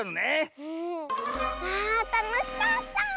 あたのしかった！